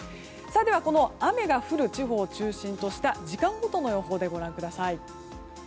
では、雨の降る地方を中心とした時間ごとの予報です。